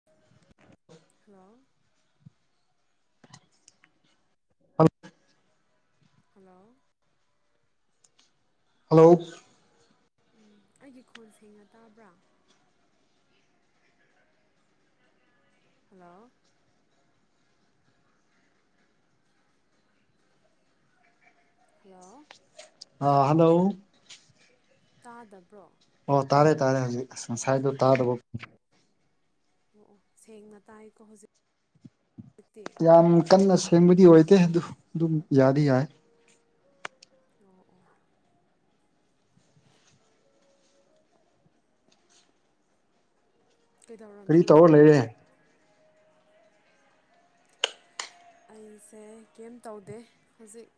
[inaudible] Hello [unintelligible] hello hello ꯎꯝ ꯑꯩꯒꯤ ꯈꯣꯟ ꯁꯦꯡꯅ ꯇꯥꯕ꯭ꯔꯥ ꯍꯜꯂꯣ ꯍꯜꯂꯣ ꯑꯥ ꯍꯜꯂꯣ ꯇꯥꯗꯕ꯭ꯔꯣ ꯑꯣ ꯇꯥꯔꯦ ꯇꯥꯔꯦ ꯍꯧꯖꯤꯛ ꯑꯁ ꯉꯁꯥꯏꯗꯨ ꯇꯥꯗꯕ ꯑꯣ ꯑꯣ ꯁꯦꯡꯅ ꯇꯥꯏꯀꯣ ꯍꯧꯖꯤꯛꯇꯤ ꯌꯥꯝ ꯀꯟꯅ ꯁꯦꯡꯕꯗꯤ ꯑꯣꯏꯗꯦ ꯑꯗꯨ ꯗꯨꯝ ꯌꯥꯗꯤ ꯌꯥꯏ ꯑꯣ ꯑꯣ ꯀꯔꯤ ꯀꯩꯗꯧꯔꯝꯃꯤꯅꯣ ꯇꯧꯔ ꯅꯪꯗꯤ ꯂꯩꯔꯦ ꯑꯩꯁꯦ ꯀꯩꯝ ꯇꯧꯗꯦ ꯍꯧꯖꯤꯛ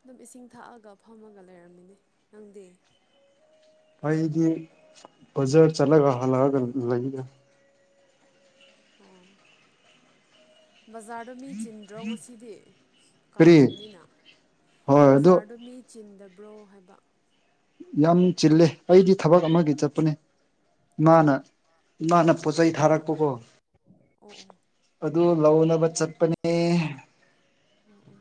ꯑꯗꯨꯝ ꯏꯁꯤꯡ ꯊꯛꯑꯒ ꯐꯝꯃꯒ ꯂꯩꯔꯝꯃꯤꯅꯦ ꯅꯪꯗꯦ ꯑꯩꯗꯤ ꯕꯖꯥꯔ ꯆꯠꯂꯒ ꯍꯜꯂꯛꯑꯒ ꯂꯩꯗ ꯑꯣ ꯕꯖꯥꯔ ꯗꯣ ꯃꯤ ꯆꯤꯟꯗ꯭ꯔꯣ ꯉꯁꯤꯗꯤ ꯀꯔꯤ ꯀꯥꯡꯒꯤꯅꯤꯅ ꯀꯔꯤ ꯍꯣꯏ ꯑꯗꯨ ꯕꯖꯥꯔꯗ ꯃꯤ ꯆꯤꯟꯗꯕ꯭ꯔꯣ ꯍꯥꯏꯕ꯫ ꯌꯥꯝ ꯆꯤꯜꯂꯦ ꯑꯩꯗꯤ ꯊꯕꯛ ꯑꯃꯒꯤ ꯆꯠꯄꯅꯦ ꯑꯣ ꯏꯃꯥꯅ ꯏꯃꯥꯅ ꯄꯣꯠꯆꯩ ꯊꯥꯔꯛꯄꯀꯣ ꯑꯣ ꯑꯣ ꯑꯗꯨ ꯂꯧꯅꯕ ꯆꯠꯄꯅꯦ꯫ ꯑꯣ ꯑꯣ꯫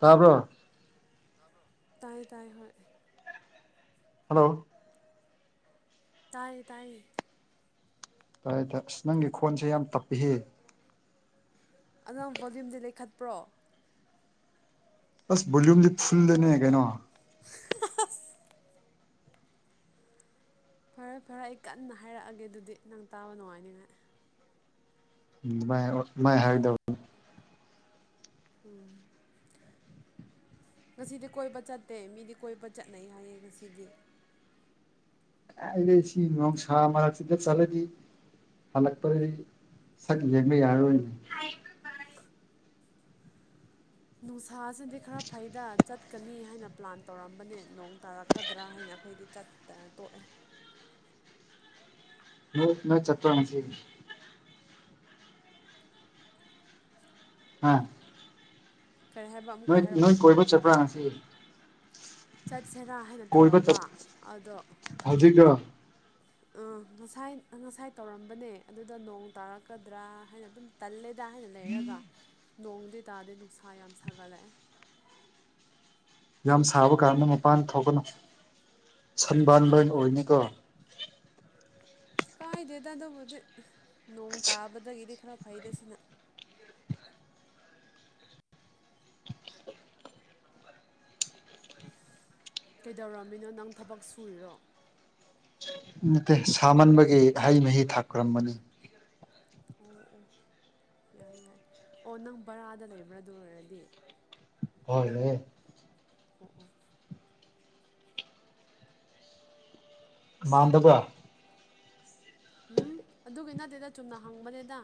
ꯇꯥꯕ꯭ꯔꯣ꯫ ꯇꯥꯕ꯭ꯔꯣ ꯇꯥꯏ ꯇꯥꯏ ꯍꯣꯏ꯫ ꯍꯜꯂꯣ꯫ ꯇꯥꯏꯌꯦ ꯇꯥꯏꯌꯦ꯫ ꯑꯗ ꯑꯁ ꯅꯪꯒꯤ ꯈꯣꯟꯁꯦ ꯌꯥꯝ ꯇꯞꯄꯤꯍꯦ꯫ ꯑꯗꯣ ꯅꯪ ꯕꯣꯂ꯭ꯌꯨꯝꯗꯤ ꯂꯩꯈꯠꯄ꯭ꯔꯣ꯫ ꯑꯁ ꯕꯣꯂ꯭ꯌꯨꯝꯗꯤ ꯐꯨꯜꯗꯅꯦ ꯀꯩꯅꯣ꫰꫰ ꯑꯁ꯫ ꯐꯔꯦ ꯐꯔꯦ ꯑꯩ ꯀꯟꯅ ꯍꯥꯏꯔꯛꯑꯒꯦ ꯑꯗꯨꯗꯤ ꯅꯪ ꯇꯥꯕ ꯅꯨꯡꯉꯥꯏꯅꯤꯡꯉꯥꯏ꯫ ꯎꯝ ꯗꯨꯃꯥꯏ ꯍꯥꯏꯑꯣꯠ ꯗꯨꯃꯥꯏ ꯍꯥꯏꯒꯗꯧꯕꯅꯤ ꯎꯝ꯫ ꯉꯁꯤꯗꯤ ꯀꯣꯏꯕ ꯆꯠꯇꯦ ꯃꯤꯗꯤ ꯀꯣꯏꯕ ꯆꯠꯅꯩ ꯍꯥꯏꯌꯦ ꯉꯁꯤꯗꯤ꯫ ꯀꯥꯏꯗꯩꯩ ꯁꯤ ꯅꯣꯡꯁ ꯃꯔꯛꯁꯤꯗ ꯆꯠꯂꯗꯤ꯫ ꯍꯜꯂꯛꯄꯗꯗꯤ ꯁꯛ ꯌꯦꯡꯕ ꯌꯥꯔꯔꯣꯏꯅꯦ꯫ ꯅꯨꯡꯁꯥꯁꯤꯗꯤ ꯈꯔ ꯐꯩꯗ ꯆꯠ꯫ ꯆꯠꯀꯅꯤ ꯍꯥꯏꯅ ꯄ꯭ꯂꯥꯟ ꯇꯧꯔꯝꯕꯅꯦ ꯅꯣꯡ ꯇꯥꯔꯛꯀꯗ꯭ꯔꯥ ꯍꯥꯏꯅ ꯑꯩꯈꯣꯏꯗꯤ ꯆꯠ ꯇ ꯇꯣꯛꯑꯦ꯫ ꯅꯣ ꯅꯪ ꯆꯠꯄꯔ ꯉꯁꯤ꯫ [inaudible] ꯍꯥ꯫ ꯀꯔꯤ ꯍꯥꯏꯕ ꯑꯃꯨꯛꯀ ꯅꯣꯏ ꯅꯣꯏ ꯍꯥꯏꯔꯛꯑꯣ꯫ ꯀꯣꯏꯕ ꯆꯠꯄ꯭ꯔꯥ ꯉꯁꯤ ꯆꯠꯁꯦꯔꯥ ꯍꯥꯏꯅ ꯇꯧꯔꯝꯕ ꯑꯗꯣ ꯍꯧꯖꯤꯛ ꯂꯣ꯫ ꯑꯥ ꯉꯁꯥꯏ ꯉꯁꯥꯏ ꯇꯧꯔꯝꯕꯅꯦ ꯑꯗꯨꯗ ꯅꯣꯡ ꯇꯥꯔꯛꯀꯗ꯭ꯔꯥ ꯍꯥꯏꯅ ꯑꯗꯨꯝ ꯇꯜꯂꯦꯗ ꯍꯥꯏꯅ ꯂꯩꯔꯒ ꯅꯣꯡꯗꯤ ꯇꯥꯗꯦ ꯅꯨꯡꯁꯥ ꯌꯥꯝ ꯁꯥꯒꯠꯂꯛꯑꯦ꯫ ꯌꯥꯝ ꯁꯥꯕ ꯀꯥꯟꯗ ꯃꯄꯥꯟ ꯊꯣꯛꯀꯅꯨ ꯁꯟꯕꯥꯟꯕꯔ꯭ꯟ ꯑꯣꯏꯅꯤꯀꯣ꯫ ꯑꯁ ꯀꯥꯏꯗꯦꯗ ꯑꯗꯨꯕꯨꯗꯤ ꯅꯣꯡ ꯇꯥꯕꯗꯒꯤꯗꯤ ꯈꯔ ꯐꯩꯗ ꯁꯤꯅ꯫ ꯀꯩꯗꯧꯔꯝꯃꯤꯅꯣ ꯅꯪ ꯊꯕꯛ ꯁꯨꯔꯤꯔꯣ꯫ ꯅꯠꯇꯦ ꯁꯥꯃꯟꯕꯒꯤ ꯍꯩ ꯃꯍꯤ ꯊꯥꯛꯀꯔꯝꯕꯅꯤ꯫ ꯑꯣ ꯑꯣ ꯌꯥꯏ ꯌꯥꯏ ꯑꯣ ꯅꯪ ꯕꯔꯥꯗ ꯂꯩꯕ꯭ꯔꯥ ꯑꯗꯨ ꯑꯣꯏꯔꯗꯤ꫰ ꯍꯣꯏ ꯂꯩꯌꯦ꯫ ꯑꯣꯑꯣ꯫ ꯃꯥꯟꯗꯕꯥꯔ꯫ ꯎꯝ ꯑꯗꯨꯒꯤ ꯅꯠꯇꯦꯗ ꯆꯨꯝꯅ ꯍꯪꯕꯅꯤꯗ꯫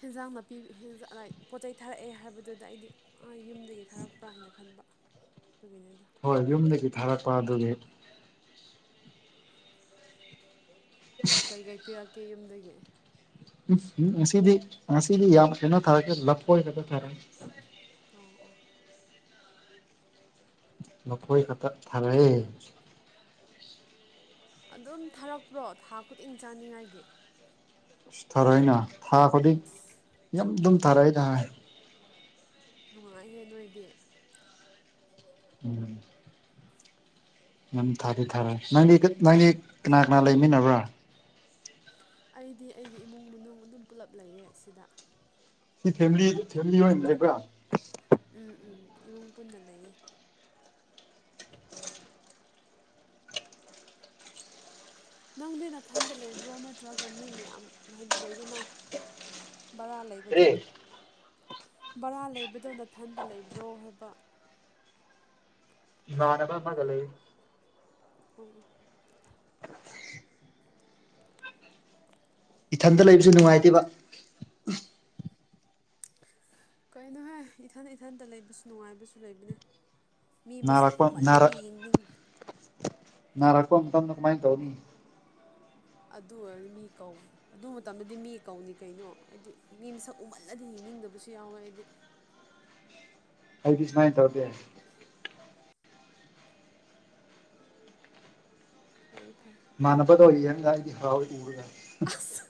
ꯍꯦꯟꯖꯥꯡ ꯅꯥꯄꯤ ꯍꯦꯟꯖꯥꯡ ꯂꯥꯏꯛ ꯄꯣ ꯆꯩ ꯊꯥꯔꯛꯑꯦ ꯍꯥꯏꯕꯗꯨꯗ ꯑꯩꯗꯤ꯫ ꯑ ꯌꯨꯝꯗꯒꯤ ꯊꯥꯔꯛꯄ꯭ꯔꯥ ꯍꯥꯏꯅ ꯈꯟꯕ ꯑꯗꯨꯒꯤꯅꯤꯗ꯫ ꯍꯣꯏ ꯌꯨꯝꯗꯒꯤ ꯊꯥꯔꯛꯄ ꯑꯗꯨꯅꯤ꯫ ꯀꯩꯀꯩ ꯄꯤꯔꯛꯀꯦ ꯌꯨꯝꯗꯒꯤ꯫ ꯎꯝ ꯉꯁꯤꯗꯤ ꯉꯁꯤꯗꯤ ꯌꯥꯝ ꯀꯩꯅꯣ ꯊꯥꯔꯛꯇꯦ ꯂꯐꯣꯏ ꯈꯛꯇ ꯊꯔꯛꯑꯦ꯫ ꯑꯣ ꯑꯣ꯫ ꯂꯐꯣꯏ ꯈꯛꯇ ꯊꯥꯔꯑꯦ꯫ ꯑꯗꯨꯝ ꯊꯥꯔꯛꯄ꯭ꯔꯣ ꯊꯥ ꯈꯨꯗꯤꯡ ꯆꯥꯅꯤꯡꯉꯥꯏꯒꯤ꯫ ꯏꯁ ꯊꯥꯔꯛꯏꯅ ꯊꯥ ꯈꯨꯗꯤꯡ ꯑꯁ ꯌꯥꯝ ꯗꯨꯝ ꯊꯥꯔꯛꯏꯅ꯫ ꯅꯨꯡꯉꯥꯏꯍꯦ ꯅꯣꯏꯗꯤ꯫ ꯎꯝ꯫ ꯅꯝ ꯊꯥꯗꯤ ꯊꯥꯔꯦ ꯅꯪꯗꯤ ꯅꯪꯗꯤ ꯀꯅꯥ ꯀꯅꯥ ꯂꯩꯃꯤꯟꯅꯕ꯭ꯔꯥ꯫ ꯑꯩꯗꯤ ꯑꯩꯒꯤ ꯏꯃꯨꯡ ꯃꯅꯨꯡ ꯑꯗꯨꯝ ꯄꯨꯜꯂꯞ ꯂꯩꯌꯦ ꯁꯤꯗ꯫ ꯁꯤ ꯐꯦꯃꯤꯂꯤ ꯐꯦꯃꯤꯂꯤ ꯑꯣꯏꯅ ꯂꯩꯕ꯭ꯔꯥ꯫ ꯎꯝ ꯎꯝ ꯏꯃꯨꯡ ꯄꯨꯟꯅ ꯂꯩꯌꯦ [inaudible] ꯅꯪꯗꯤ ꯅꯊꯟꯗ ꯂꯩꯕ꯭ꯔꯣ ꯅꯠꯇ꯭ꯔꯒ ꯃꯤ ꯃꯌꯥꯝ ꯍꯥꯏ ꯂꯩꯗꯅ ꯕꯔꯥ ꯂꯩꯕꯗꯣ ꯀꯔꯤ ꯕꯔꯥ ꯂꯩꯕꯗꯣ ꯅꯊꯟꯗ ꯂꯩꯕ꯭ꯔꯣ ꯍꯥꯏꯕ ꯏꯃꯥꯟꯅꯕ ꯑꯃꯒ ꯂꯩꯑꯦ ꯑꯣꯑꯣ ꯏꯊꯟꯗ ꯂꯩ ꯏꯊꯟꯇ ꯂꯩꯕꯁꯦ ꯅꯨꯡꯉꯥꯏꯇꯦꯕ ꯀꯩꯅꯣꯍꯦ ꯏꯊꯟ ꯏꯊꯟꯇ ꯂꯩꯕꯁꯨ ꯅꯨꯡꯉꯥꯏꯕꯁꯨ ꯂꯩꯕꯅꯦ ꯃꯤ ꯃꯁꯛ ꯎꯃꯜꯂꯗꯤ ꯌꯦꯡꯅꯤꯡ ꯅꯔꯛꯄ ꯃꯇꯝꯗ ꯀꯃꯥꯏ ꯇꯧꯅꯤ ꯑꯗꯨ ꯑꯣꯏꯔꯗꯤ ꯃꯤ ꯀꯧ ꯑꯗꯨ ꯃꯇꯝꯗꯗꯤ ꯃꯤ ꯀꯧꯅꯤ ꯀꯩꯅꯣ ꯍꯥꯏꯗꯤ ꯃꯤ ꯃꯁꯛ ꯎꯃꯜꯂꯗꯤ ꯌꯦꯡꯅꯤꯡꯗꯕꯁꯨ ꯌꯥꯎꯋꯦ ꯑꯩꯗꯤ ꯑꯩꯗꯤ ꯁꯨꯃꯥꯏ ꯇꯧꯗꯦ ꯐꯩ ꯐꯩ ꯏꯃꯥꯟꯅꯕꯗꯣ ꯌꯦꯡꯒ ꯑꯩꯗꯤ ꯍꯔꯥꯎꯏ ꯎꯕꯗ ꯑꯁ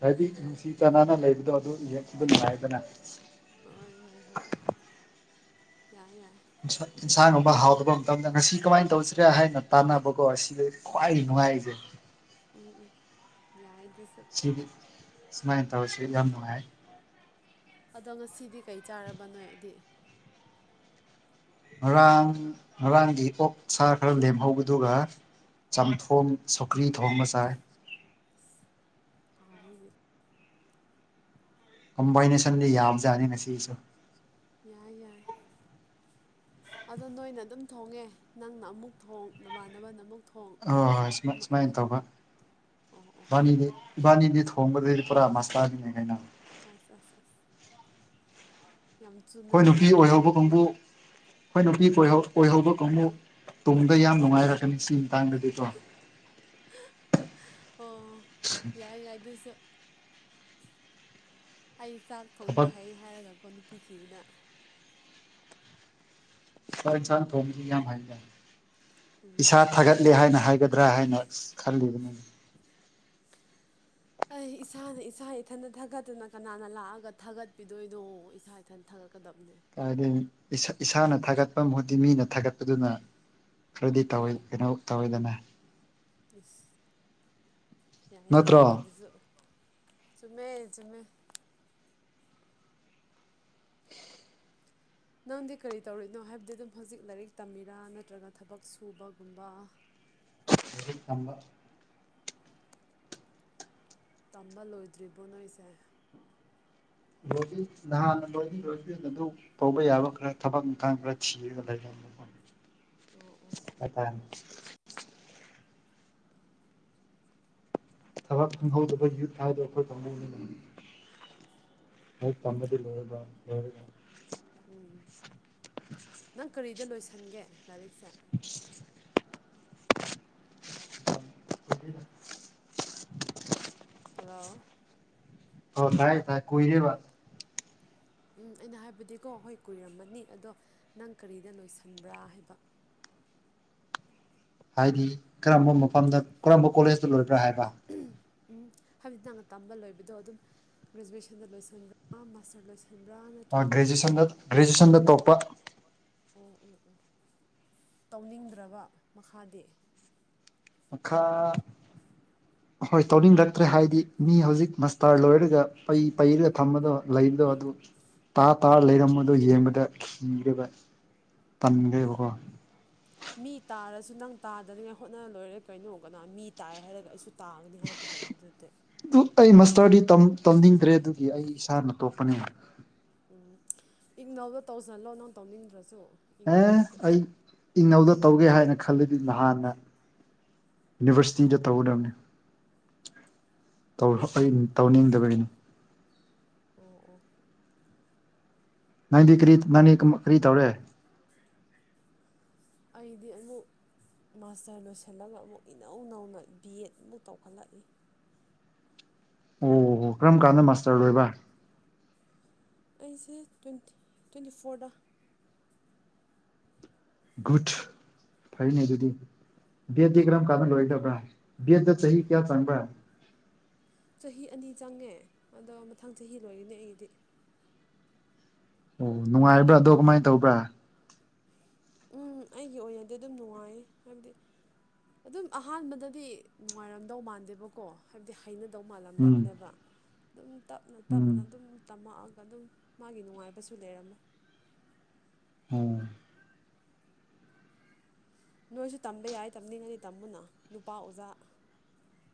ꯍꯥꯏꯗꯤ ꯅꯨꯡꯁꯤ ꯆꯥꯟꯅꯅ ꯂꯩꯕꯗꯣ ꯑꯗꯨ ꯌꯦꯡꯕ ꯅꯨꯡꯉꯥꯏꯗꯅ ꯍꯣꯏ ꯍꯣꯏ ꯍꯣꯏ ꯌꯥꯏ ꯌꯥꯏ ꯏꯟꯁꯥꯡꯒꯨꯝꯕ ꯍꯥꯎꯗꯕ ꯃꯇꯝꯗ ꯉꯁꯤ ꯀꯃꯥꯏꯅ ꯇꯧꯁꯤꯔꯦ ꯍꯥꯏꯅ ꯇꯥꯟꯅꯕꯀꯣ ꯁꯤ ꯈ꯭ꯋꯥꯏ ꯅꯨꯡꯉꯥꯏꯔꯤꯁꯦ ꯎꯝ ꯎꯝ ꯌꯥꯏꯗꯨꯁꯨ ꯑꯩꯗꯤ ꯁꯨꯃꯥꯏꯅ ꯇꯧꯁꯤ ꯌꯥꯝ ꯅꯨꯡꯉꯥꯏ ꯑꯗꯣ ꯉꯁꯤꯗꯤ ꯀꯩ ꯆꯥꯔꯕ ꯅꯣꯏꯗꯤ ꯉꯔꯥꯡ ꯉꯔꯥꯡꯒꯤ ꯑꯣꯛ ꯁꯥ ꯈꯔ ꯂꯦꯝꯍꯧꯕ ꯑꯗꯨꯒ ꯆꯝꯊꯣꯡ ꯁꯧꯒ꯭ꯔꯤ ꯊꯣꯡꯕ ꯆꯥꯏ ꯑꯁ ꯍꯥꯎꯋꯤꯅꯦ ꯀꯝꯕꯥꯏꯅꯦꯁꯟꯗꯤ ꯌꯥꯝꯕꯖꯥꯠꯅꯤ ꯉꯁꯤꯁꯨ ꯌꯥꯏ ꯌꯥꯏ ꯑꯗꯣ ꯅꯣꯏꯅ ꯑꯗꯨꯝ ꯊꯣꯡꯉꯦ ꯅꯪꯅ ꯑꯃꯨꯛ ꯊꯣꯡ ꯅꯃꯥꯟꯅꯕꯅ ꯑꯃꯨꯛ ꯊꯣꯡ ꯍꯣꯏ ꯍꯣꯏ ꯁꯨꯃꯥꯏ ꯃꯥ ꯁꯨꯃꯥꯏꯅ ꯇꯧꯕ ꯑꯣ ꯑꯣ ꯏꯕꯥꯅꯤꯗꯤ ꯏꯕꯥꯅꯤꯗꯤ ꯊꯣꯡꯕꯗꯗꯤ ꯄꯨꯔꯥ ꯃꯥꯁꯇꯔꯅꯤ ꯀꯩꯅꯣ ꯑꯁ ꯑꯁ ꯑꯁ ꯌꯥꯝ ꯑꯩꯈꯣꯏ ꯆꯨꯅꯩꯅꯦ ꯅꯨꯄꯤ ꯑꯗꯨ ꯑꯣꯏꯍꯧꯕ ꯍꯥꯏꯔꯗꯤ ꯀꯥꯡꯕꯨ ꯑꯈꯣꯏ ꯅꯨꯄꯤ ꯑꯣꯏꯍꯧꯗꯧ ꯀꯥꯡꯕꯨ ꯇꯨꯡꯗ ꯌꯥꯝ ꯅꯨꯡꯉꯥꯏꯔꯛꯀꯅꯤ ꯁꯤꯒꯤ ꯃꯇꯥꯡꯗꯗꯤꯀꯣ ꯑꯣ ꯌꯥꯏ ꯌꯥꯏ ꯑꯗꯨꯁꯨ ꯑꯩ ꯆꯥꯛ ꯊꯣꯡꯕ ꯊꯕꯛ ꯍꯩ ꯍꯥꯏꯔꯒꯀꯣ ꯅꯨꯄꯤ ꯊꯤꯕꯅ ꯆꯥꯛ ꯏꯟꯁꯥꯟ ꯊꯣꯡꯕꯗꯤ ꯌꯥꯝ ꯍꯩꯗ ꯎꯝ ꯏꯁꯥ ꯊꯥꯒꯠꯂꯦ ꯍꯥꯏꯅ ꯍꯥꯏꯒꯗ꯭ꯔꯥ ꯍꯥꯏꯅ ꯈꯜꯂꯤꯕꯅꯤꯅꯦ [inaudible] ꯑꯩ ꯏꯁꯥꯅ ꯏꯁꯥ ꯏꯊꯟꯇ ꯊꯥꯒꯠꯇꯅ ꯀꯅꯥꯅ ꯂꯥꯛꯑꯒ ꯊꯥꯒꯠꯄꯤꯗꯣꯏꯅꯣ ꯏꯁꯥ ꯏꯊꯟ ꯊꯥꯒꯠ ꯀꯥꯗꯕꯅꯦ ꯍꯥꯏꯗꯤ ꯏꯁꯥꯅ ꯊꯥꯒꯠꯄ ꯃꯍꯨꯠꯇꯤ ꯃꯤꯅ ꯊꯥꯒꯠꯄꯗꯨꯅ ꯈꯔꯗꯤ ꯇꯧꯋꯦ ꯀꯩꯅꯣꯝ ꯇꯧꯋꯦꯗꯅ ꯏꯁ ꯌꯥꯏ ꯌꯥꯏ ꯅꯠꯇ꯭ꯔꯣ ꯅꯪꯒꯤꯗꯨꯁꯨ ꯆꯨꯝꯃꯦ ꯆꯨꯝꯃꯦ ꯅꯪꯗꯤ ꯀꯔꯤ ꯇꯧꯔꯤꯅꯣ ꯍꯥꯏꯕꯗꯤ ꯑꯗꯨꯝ ꯍꯧꯖꯤꯛ ꯂꯥꯏꯔꯤꯛ ꯇꯝꯃꯤꯔꯥ ꯅꯠꯇ꯭ꯔꯒ ꯊꯕꯛ ꯁꯨꯕꯒꯨꯝꯕ ꯂꯥꯏꯔꯤꯛ ꯇꯝꯕ ꯇꯝꯕ ꯂꯣꯏꯗ꯭ꯔꯤꯕꯣ ꯅꯣꯏꯁꯦ ꯂꯣꯏꯗ꯭ꯔꯤ ꯅꯍꯥꯟꯅ ꯂꯣꯏꯗꯤ ꯂꯣꯏꯗ꯭ꯔꯤꯉꯩꯗ ꯑꯗꯨꯝ ꯇꯧꯕ ꯌꯥꯕ ꯈꯔ ꯊꯕꯛ ꯏꯪꯈꯥꯡ ꯈꯔ ꯊꯤꯔꯒ ꯂꯩꯔꯝꯃꯦ ꯑꯣ ꯑꯣ [unintelligible] ꯊꯕꯛ ꯐꯪꯍꯧꯗꯕ ꯌꯨꯠ ꯍꯥꯏꯕꯗꯨ ꯑꯩꯈꯣꯏ ꯀꯥꯡꯕꯨꯅꯤꯅꯦ ꯂꯥꯏꯔꯤꯛ ꯇꯝꯕꯗꯤ ꯂꯣꯏꯔꯒ ꯂꯣꯏꯔꯒ ꯎꯝ ꯅꯪ ꯀꯔꯤꯗ ꯂꯣꯏꯁꯟꯒꯦ ꯂꯥꯏꯔꯤꯛꯁꯦ [unintelligible] [unintelligible] ꯍꯜꯂꯣ ꯑꯣ ꯇꯥꯏ ꯇꯥꯏ ꯀꯨꯏꯔꯦꯕ ꯎꯝ ꯑꯩꯅ ꯍꯥꯏꯕꯗꯤꯀꯣ ꯍꯣꯏ ꯀꯨꯏꯔꯝꯃꯅꯤ ꯑꯗꯣ ꯅꯪ ꯀꯔꯤꯗ ꯂꯣꯏꯁꯟꯕ꯭ꯔꯥ ꯍꯥꯏꯕ ꯍꯥꯏꯗꯤ ꯀꯔꯝꯕ ꯃꯐꯝꯗ ꯀꯔꯝꯕ ꯀꯣꯂꯦꯖꯇ ꯂꯣꯏꯕ꯭ꯔꯥ ꯍꯥꯏꯕ ꯎꯝ ꯑꯝ ꯍꯥꯏꯕꯗꯤ ꯅꯪꯅ ꯇꯝꯕ ꯂꯣꯏꯕꯗꯣ ꯑꯗꯨꯝ ꯒ꯭ꯔꯦꯖꯨꯌꯦꯁꯟꯗ ꯂꯣꯏꯁꯤꯟꯕ꯭ꯔꯥ ꯃꯥꯁꯇꯔ ꯂꯣꯏꯁꯤꯟ ꯁꯟꯕ꯭ꯔꯥꯅ ꯑ ꯒ꯭ꯔꯦꯖꯨꯑꯦꯁꯟꯗ ꯒ꯭ꯔꯦꯖꯨꯑꯁꯟ ꯇꯣꯛꯄ ꯑꯣ ꯑꯣ ꯑꯣ ꯇꯧꯅꯤꯡꯗ꯭ꯔꯕ ꯃꯈꯥꯗꯤ ꯃꯈꯥ [inaudible] ꯍꯣꯏ ꯇꯧꯅꯤꯡꯂꯛꯇ꯭ꯔꯦ ꯍꯥꯏꯗꯤ ꯃꯤ ꯍꯧꯖꯤꯛ ꯃꯁꯇꯔ ꯂꯣꯏꯔꯒ ꯄꯩ ꯄꯩꯔꯒ ꯊꯝꯕꯗꯣ ꯂꯩꯕꯗꯣ ꯑꯗꯨ ꯇꯥ ꯇꯥꯔ ꯂꯩꯔꯝꯕꯗꯣ ꯌꯦꯡꯕꯗ ꯈꯤꯔꯦꯕ ꯇꯟꯈ꯭ꯔꯦꯕꯀꯣ ꯃꯤ ꯇꯥꯔꯁꯨ ꯅꯪ ꯇꯥꯗꯅꯤꯉꯥꯏ ꯍꯣꯠꯅ ꯂꯣꯏꯔꯦ ꯀꯩꯅꯣ ꯀꯅꯥ ꯃꯤ ꯇꯥꯏ ꯍꯥꯏꯔꯒ ꯑꯩꯁꯨ ꯇꯥꯒꯅꯤ ꯍꯥꯏꯕ ꯂꯩꯕ ꯅꯠꯇꯦ [unintelligible] ꯇꯧꯅꯤꯡꯗ꯭ꯔꯦ ꯑꯗꯨꯒꯤ ꯑꯩ ꯏꯁꯥꯅ ꯇꯣꯛꯄꯅꯤ ꯎꯝ ꯏꯒꯅꯧꯗ ꯇꯧꯁꯤꯜꯂꯣ ꯅꯪ ꯇꯧꯅꯤꯡꯗ꯭ꯔꯁꯨ ꯑꯦ ꯏꯛꯅꯧꯗ ꯈꯛ ꯑꯩ ꯏꯅꯧꯗ ꯇꯧꯒꯦ ꯍꯥꯏꯅ ꯈꯟꯂꯗꯤ ꯅꯍꯥꯟꯅ ꯌꯨꯅꯤꯕꯔꯁꯤꯇꯤꯗ ꯇꯧꯒꯗꯕꯅꯦ ꯇꯧꯔꯣ ꯑꯩꯅ ꯇꯧꯅꯤꯡꯗꯕꯒꯤꯅꯤ ꯑꯣ ꯑꯣ ꯅꯪꯗꯤ ꯀꯔꯤ ꯅꯪꯗꯤ ꯀꯔꯤ ꯇꯧꯔꯦ [unintelligible] ꯑꯩꯗꯤ ꯑꯃꯨꯛ ꯃꯥꯁꯇꯔ ꯂꯣꯏꯁꯤꯜꯂꯒ ꯑꯃꯨꯛ ꯏꯅꯧ ꯅꯧꯅ ꯕꯤ ꯑꯦꯠ ꯑꯃꯨꯛ ꯇꯧꯈꯠꯂꯛꯏ ꯑꯣ ꯍꯣ ꯀꯔꯝ ꯀꯥꯟꯗ ꯃꯥꯁꯇꯔ ꯂꯣꯏꯕ ꯑꯩꯁꯦ ꯇ꯭ꯋꯦꯟ ꯇ꯭ꯋꯦꯟꯇꯤ ꯐꯣꯔꯗ ꯒꯨꯗ ꯐꯩꯅꯦ ꯑꯗꯨꯗꯤ ꯕꯦꯠꯇꯤ ꯀꯔꯝ ꯀꯥꯟꯗ ꯂꯣꯏꯒꯗꯕ꯭ꯔꯥ ꯕꯦꯠꯇ ꯆꯍꯤ ꯀꯌꯥ ꯆꯪꯕ꯭ꯔꯥ ꯆꯍꯤ ꯑꯅꯤ ꯆꯪꯉꯦ ꯑꯗꯣ ꯃꯊꯪ ꯆꯍꯤ ꯂꯣꯏꯒꯅꯤ ꯑꯩꯒꯤꯗꯤ꯫ ꯑꯣ ꯅꯨꯡꯉꯥꯏꯕ꯭ꯔꯥ ꯑꯗꯣ ꯀꯃꯥꯏ ꯇꯧꯕ꯭ꯔꯥ ꯎꯝ ꯑꯩꯒꯤ ꯑꯣꯏꯅꯗꯤ ꯑꯗꯨꯝ ꯅꯨꯡꯉꯥꯏꯌꯦ ꯍꯥꯏꯕꯗꯤ ꯑꯗꯨꯝ ꯑꯍꯥꯟꯕꯗꯗꯤ ꯅꯨꯡꯉꯥꯏꯔꯝꯗꯧ ꯃꯥꯟꯗꯦꯕꯀꯣ ꯍꯥꯏꯕꯗꯤ ꯍꯩꯅꯗꯧ ꯎꯝ ꯃꯥꯜꯂꯝꯗꯕꯅꯦꯕ ꯑꯗꯨꯝ ꯇꯞꯅ ꯎꯝ ꯇꯞꯅ ꯑꯗꯨꯝ ꯇꯝꯃꯛꯑꯒ ꯑꯗꯨꯝ ꯃꯥꯒꯤ ꯅꯨꯡꯉꯥꯏꯕꯁꯨ ꯂꯩꯔꯝꯃꯦ ꯎꯝ ꯅꯣꯏꯁꯨ ꯇꯝꯕ ꯌꯥꯏ ꯇꯝꯅꯤꯡꯉꯅꯤ ꯇꯝꯃꯨꯅ ꯅꯨꯄꯥ ꯑꯣꯖꯥ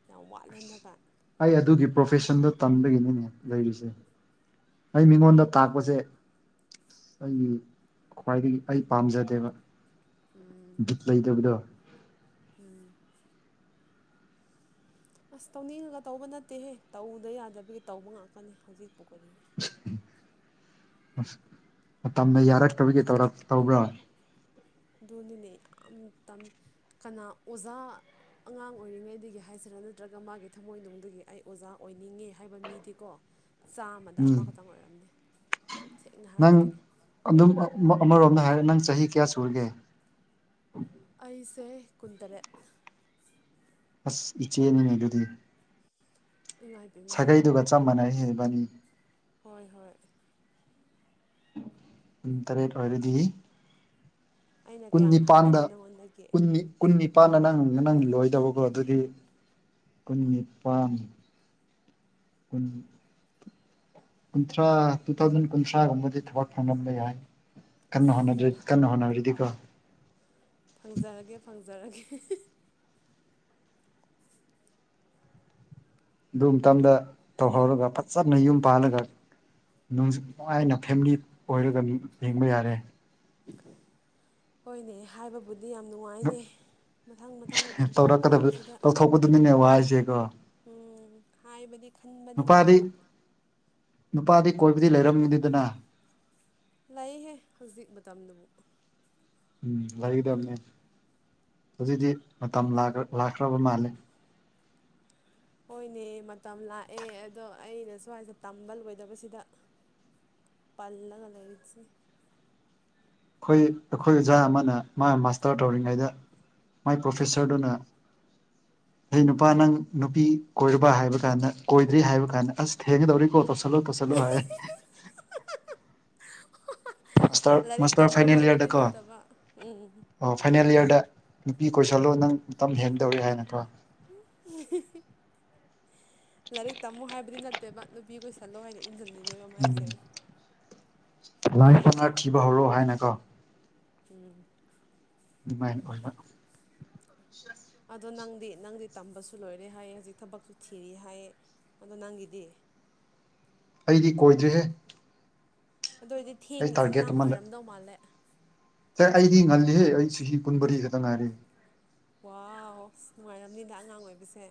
ꯌꯥꯝ ꯋꯥꯠꯂꯦ ꯍꯟꯗꯛꯀꯥꯟ ꯑꯩ ꯑꯗꯨꯒꯤ ꯄ꯭ꯔꯣꯐꯦꯁꯟꯗꯣ ꯇꯟꯕꯒꯤꯅꯤꯅꯦ ꯂꯩꯔꯤꯁꯦ ꯑꯩ ꯃꯤꯉꯣꯟꯗ ꯇꯥꯛꯄꯁꯦ ꯑꯩꯒꯤ ꯈ꯭ꯋꯥꯏꯗꯒꯤ ꯑꯩ ꯄꯥꯝꯖꯗꯦꯕ ꯎꯝ ꯕꯤꯠ ꯂꯩꯇꯕꯗꯣ ꯎꯝ ꯑꯁ ꯇꯧꯅꯤꯡꯉꯒ ꯇꯧꯕ ꯅꯠꯇꯦꯍꯦ ꯇꯧꯗ ꯌꯥꯗꯕꯒꯤ ꯇꯧꯕ ꯉꯥꯛꯇꯅꯦ ꯍꯧꯖꯤꯛꯄꯨ ꯀꯔꯤ [unintelligible] ꯃꯇꯝꯅ ꯌꯥꯔꯛꯇꯕꯒꯤ ꯇꯧꯔꯛ ꯇꯧꯕ꯭ꯔꯥ ꯑꯗꯨꯅꯤꯅꯦ ꯌꯥꯝ ꯇꯟ ꯀꯅꯥ ꯑꯣꯖꯥ ꯑꯉꯥꯡ ꯑꯣꯏꯔꯤꯉꯩꯗꯒꯤ ꯍꯥꯏꯁꯤꯔ ꯅꯠꯇ꯭ꯔꯒ ꯃꯥꯒꯤ ꯊꯃꯣꯏꯅꯨꯡꯗꯒꯤ ꯑꯩ ꯑꯣꯖꯥ ꯑꯣꯏꯅꯤꯡꯉꯦ ꯍꯥꯏꯕ ꯃꯤꯗꯤꯀꯣ ꯆꯥꯝꯃꯗ ꯎꯝ ꯑꯃꯈꯛꯇꯪ ꯑꯣꯏꯔꯝꯅꯤ ꯁꯦꯡꯅ ꯍꯥꯏꯔꯗꯤ ꯅꯪ ꯑꯗꯨꯝ ꯑꯃꯔꯣꯝꯗ ꯍꯥꯏꯔ ꯅꯪ ꯆꯍꯤ ꯀꯌꯥ ꯁꯨꯔꯒꯦ꯫ ꯑꯩꯁꯦ ꯀꯨꯟꯇꯔꯦꯠ꯫ ꯑꯁ ꯏꯆꯦꯅꯤꯅꯦ ꯑꯗꯨꯗꯤ꯫ ꯏꯃꯥꯏ ꯄꯦꯝꯃ ꯁꯥꯒꯩꯗꯨꯒ ꯆꯞ ꯃꯥꯟꯅꯩꯍꯦ ꯏꯕꯥꯅꯤ꯫ ꯍꯣꯏ ꯍꯣꯏ꯫ ꯀꯨꯟꯇꯔꯦꯠ ꯑꯣꯏꯔꯗꯤ꯫ ꯑꯩꯅ ꯀꯨꯟ ꯀꯌꯥꯝ ꯅꯤꯄꯥꯟꯗ ꯍꯜꯂꯒꯦ ꯅꯪꯉꯣꯟꯗꯒꯤ ꯀꯨꯟꯅꯤ꯫ ꯀꯨꯟ ꯅꯤꯄꯥꯟꯅ ꯅꯪ ꯅꯪ ꯂꯣꯏꯒꯗꯕꯀꯣ ꯑꯗꯨꯗꯤ ꯀꯨꯟ ꯅꯤꯄꯥꯟ꯫ ꯀꯨꯟ꯫ ꯀꯨꯟꯊ꯭ꯔꯥ ꯇꯨ ꯊꯥꯎꯖꯟ ꯀꯨꯟꯊ꯭ꯔꯥ ꯒꯨꯝꯕꯗꯤ ꯊꯕꯛ ꯐꯪꯂꯝꯕ ꯌꯥꯏ꯫ ꯀꯟꯅ ꯍꯣꯠꯅꯗ꯭ꯔꯤ ꯑꯁ ꯀꯟꯅ ꯍꯣꯠꯅꯔꯤꯗꯤꯀꯣ꯫ ꯐꯪꯖꯔꯒꯦ ꯐꯪꯖꯔꯒꯦ꯫ [inaudible] ꯑꯗꯨ ꯃꯇꯝꯗ ꯇꯧꯍꯧꯔꯒ ꯆꯞꯅ ꯌꯨꯝ ꯄꯥꯜꯂꯒ ꯅꯨꯡꯉꯥꯏꯅ ꯐꯦꯃꯤꯂꯤ ꯑꯣꯏꯔꯒ ꯌꯦꯡꯕ ꯌꯥꯔꯦ ꯍꯣꯏꯅꯦ ꯍꯥꯏꯕꯕꯨꯗꯤ ꯌꯥꯝ ꯅꯨꯡꯉꯥꯏꯅꯦ ꯃꯊꯪ ꯃꯊꯪ ꯇꯧꯔꯛꯀꯗꯕꯁꯤꯗ ꯃꯤꯅꯦ ꯋꯥꯁꯦ ꯀꯣ ꯎꯝ ꯍꯥꯏꯕꯗꯤ ꯈꯟꯕꯗꯤ ꯅꯨꯄꯥꯗꯤ ꯅꯨꯡꯉꯥꯏꯕ ꯅꯨꯄꯥꯗꯤ ꯀꯣꯏꯕꯗꯤ ꯂꯩꯔꯝꯒꯅꯤꯗꯅ ꯂꯩꯍꯦ ꯍꯧꯖꯤꯛ ꯃꯇꯝꯗꯨꯕꯨ ꯎꯝ ꯂꯩꯒꯗꯕꯅꯦ ꯍꯨꯖꯤꯛꯇꯤ ꯃꯇꯝ ꯂꯥꯛꯈ꯭ꯔꯕ ꯃꯥꯜꯂꯦ꯫ ꯍꯣꯏꯅꯦ ꯃꯇꯝ ꯂꯥꯛꯑꯦ ꯑꯗꯣ ꯑꯩꯅ ꯁ꯭ꯋꯥꯏꯁꯦ ꯇꯝꯕ ꯂꯣꯏꯗꯕꯁꯤꯗ꯫ ꯄꯜꯂꯒ ꯂꯩꯥꯆꯤꯅꯤ꯫ ꯑꯩꯈꯣꯏ ꯑꯩꯈꯣꯏ ꯑꯣꯖꯥ ꯑꯃꯅ ꯃꯥ ꯃꯥꯁꯇꯔ ꯇꯧꯔꯤꯉꯩꯗ꯫ ꯃꯥꯏ ꯄ꯭ꯔꯣꯐꯦꯁꯔꯗꯨꯅ ꯍꯩ ꯅꯨꯄꯥ ꯅꯪ ꯅꯨꯄꯤ꯫ ꯀꯣꯏꯔꯕ ꯍꯥꯏꯕ ꯀꯥꯟꯗ ꯀꯣꯏꯗ꯭ꯔꯤ ꯍꯥꯏꯕ ꯀꯥꯟꯗ ꯑꯁ ꯊꯦꯡꯒꯗꯧꯔꯦ꯫ ꯃꯥꯁꯇꯔ ꯂꯥꯏꯔꯤꯛ ꯃꯥꯁꯇꯔ ꯇꯝꯃꯨ ꯐꯥꯏꯅꯦꯜ ꯍꯥꯏꯕꯗꯤ ꯏꯌꯥꯔꯗꯀꯣ ꯅꯠꯇꯕ ꯎꯝ꯫ ꯑꯣ ꯐꯥꯏꯅꯦꯜ ꯏꯌꯥꯔꯗ ꯅꯨꯄꯤ ꯀꯣꯏꯁꯜꯂꯣ ꯎꯝ ꯅꯪ ꯃꯇꯝ ꯍꯦꯟꯗꯧꯔꯦ ꯍꯥꯏꯅꯀꯣ꯫ ꯂꯥꯏꯔꯤꯛ ꯇꯝꯃꯨ ꯍꯥꯏꯕꯗꯤ ꯅꯠꯇꯦꯕ ꯅꯨꯄꯤ ꯀꯣꯏ ꯊꯠꯂꯣ ꯍꯥꯏꯅ ꯏꯟꯁꯤꯜꯂꯤꯅꯦꯕ ꯃꯥꯏꯁꯦ ꯂꯥꯏ ꯌꯥꯏ ꯌꯥꯏ ꯐꯅ ꯊꯤꯕ ꯍꯧꯔꯛꯑꯣ ꯍꯥꯏꯅ ꯀꯣ ꯎꯝ ꯃꯥꯏ ꯑꯣꯏꯕ ꯑꯗꯣ ꯅꯪꯗꯤ ꯅꯪꯗꯤ ꯇꯝꯕꯁꯨ ꯂꯣꯏꯔꯦ ꯍꯥꯏꯌꯦ ꯍꯧꯖꯤꯛ ꯊꯕꯛꯁꯨ ꯊꯤꯔꯤ ꯍꯥꯏꯌꯦ ꯑꯗꯣ ꯅꯪꯒꯤꯗꯤ ꯑꯩꯗꯤ ꯀꯣꯏꯗ꯭ꯔꯤꯍꯦ ꯑꯗꯨ ꯑꯣꯏꯔꯗꯤ ꯑꯩ ꯊꯦꯡꯉꯁꯤꯦ ꯅꯪ ꯑꯣꯏꯔꯝꯗꯧ ꯃꯥꯜꯂꯦ ꯁ ꯑꯩꯗꯤ ꯉꯜꯂꯤꯍꯦ ꯑꯩ ꯆꯍꯤ ꯀꯨꯟꯃꯔꯤ ꯈꯛꯇ ꯉꯥꯏꯔꯦ ꯋꯥꯁ ꯅꯨꯡꯉꯥꯏꯔꯝꯅꯤꯗ ꯑꯉꯥꯡ ꯑꯣꯏꯕꯁꯦ